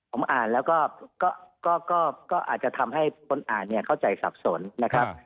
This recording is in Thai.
ผมอ่านแล้วก็อาจจะทำให้คนอ่านเข้าใจสับสนนะครับ